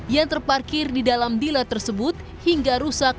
yang terparkir di dalam bila tersebut hingga rusak